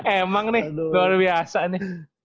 emang nih luar biasa nih